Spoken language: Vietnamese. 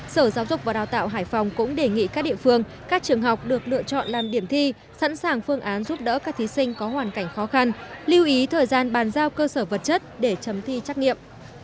sở giáo dục và đào tạo hải phòng cũng đề nghị các địa phương các trường học được lựa chọn làm điểm thi sẵn sàng phương án giúp đỡ các thí sinh có hoàn cảnh khó khăn lưu ý thời gian bàn giao cơ sở vật chất để chấm thi trắc nghiệm